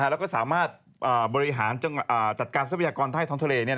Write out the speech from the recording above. แล้วก็สามารถบริหารจัดการทรัพยากรใต้ท้องทะเล